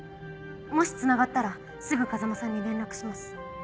もしつながったらすぐ風真さんに連絡します。